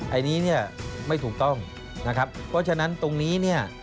อันนี้เนี่ยไม่ถูกต้องนะครับเพราะฉะนั้นตรงนี้เนี่ย